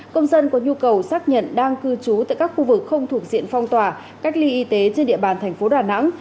công dân có nhu cầu xác nhận đang cư trú tại các khu vực không thuộc diện phong tỏa cách ly y tế trên địa bàn thành phố đà nẵng